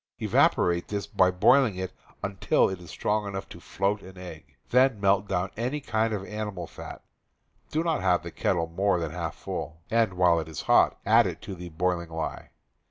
Evaporate this by boiling until it is strong enough to float an egg. Then melt down any kind of animal fat (do not have the kettle more than half full), and, while it is hot, add it to the boiling lye.